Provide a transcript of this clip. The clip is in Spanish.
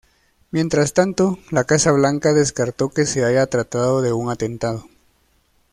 Mientras tanto, la Casa Blanca descartó que se haya tratado de un atentado.